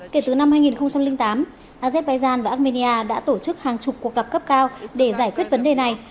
kể từ năm hai nghìn tám azerbaijan và armenia đã tổ chức hàng chục cuộc gặp cấp cao để giải quyết vấn đề này